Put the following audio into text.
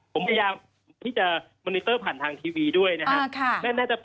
ผมพยายามที่จะมอนิเตอร์ผ่านทางทีวีด้วยนะครับ